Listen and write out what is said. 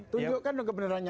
tunjukkan dong kebenarannya